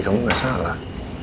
kamu gak salah